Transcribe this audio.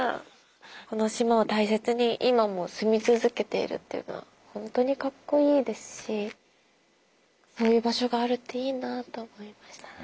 この島を大切に今も住み続けているっていうのはホントにかっこいいですしそういう場所があるっていいなと思いましたね。